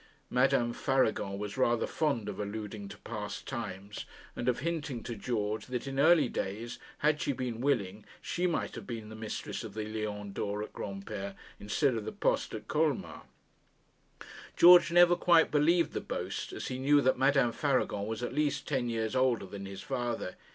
Madame Faragon was rather fond of alluding to past times, and of hinting to George that in early days, had she been willing, she might have been mistress of the Lion d'Or at Granpere, instead of the Poste at Colmar. George never quite believed the boast, as he knew that Madame Faragon was at least ten years older than his father.